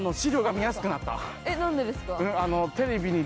何でですか？